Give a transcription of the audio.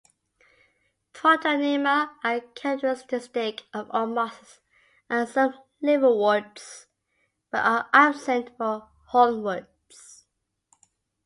Protonema are characteristic of all mosses and some liverworts but are absent from hornworts.